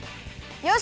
よし！